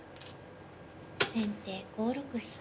先手５六飛車。